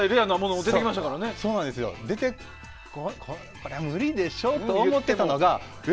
これは無理でしょって思っていたのがえ？